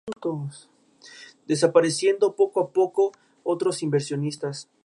Desapareciendo poco a poco a otros inversionistas.